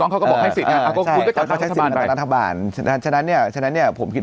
เขาก็บอกให้สิทธิ์การจัดตั้งอรรถาบาลเลยฉะนั้นผมคิด